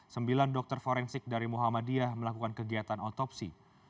sembilan dokter forensik dari muhammadiyah melakukan kegiatan otopsi